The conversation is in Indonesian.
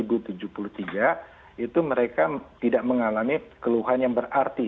yang sudah kami suntikan itu sekitar seribu tujuh puluh tiga itu mereka tidak mengalami keluhan yang berarti